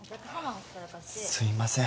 すいません